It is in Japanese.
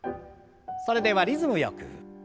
それではリズムよく。